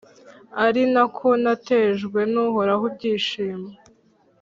ari na ko natejwe n’Uhoraho ibyishimo